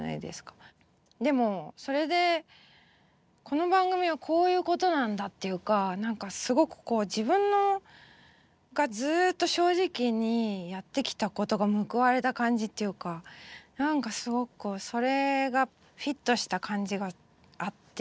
でもそれでこの番組はこういうことなんだっていうか何かすごくこう自分がずっと正直にやってきたことが報われた感じっていうか何かすごくそれがフィットした感じがあって。